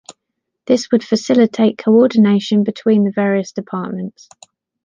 This would facilitate coordination between the various departments.